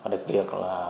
đặc biệt là